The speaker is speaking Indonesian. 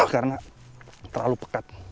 karena terlalu pekat